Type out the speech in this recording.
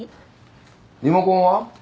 リモコンは？